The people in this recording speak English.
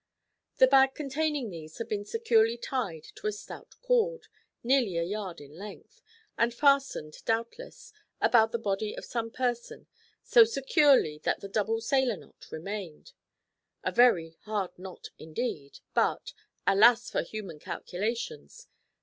The bag containing these had been securely tied to a stout cord, nearly a yard in length, and fastened, doubtless, about the body of some person so securely that the double sailor knot remained a very hard knot indeed; but, alas for human calculations!